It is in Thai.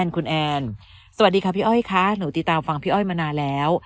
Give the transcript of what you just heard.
สวัสดีค่ะพี่อ้อยค่ะหนูติดตามฟังพี่อ้อยมานานแล้ว